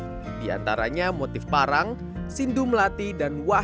kue batik yang terbentuk berbeda berpengaruh dengan kue yang berbentuk berbentuk